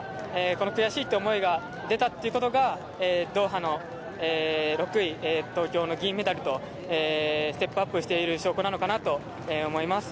この悔しいという思いが出たということがドーハの６位、東京の銀メダルと、ステップアップしている証拠なのかなと思います。